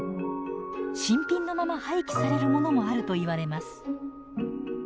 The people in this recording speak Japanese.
新品のまま廃棄されるものもあるといわれます。